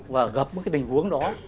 và gặp những cái tình huống đó